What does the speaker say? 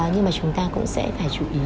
nhưng mà chúng ta cũng sẽ phải chú ý